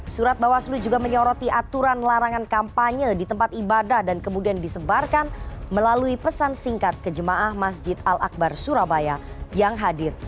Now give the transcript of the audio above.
surat bawaslu juga menyoroti aturan larangan kampanye di tempat ibadah dan kemudian disebarkan melalui pesan singkat ke jemaah masjid al akbar surabaya yang hadir